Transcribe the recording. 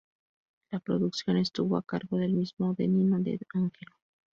La producción estuvo a cargo del mismo de Nino de Angelo.